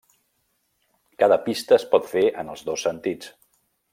Cada pista es pot fer en els dos sentits.